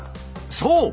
そう！